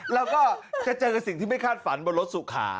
แล้วก็จะเจอกับสิ่งที่ไม่คาดฝันบนรถสุขา